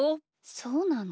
そうなの？